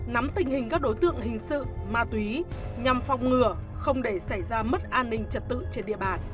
nắm tình hình các đối tượng hình sự ma túy nhằm phòng ngừa không để xảy ra mất an ninh trật tự trên địa bàn